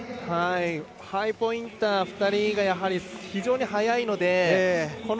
ハイポインター２人がやはり非常に速いので。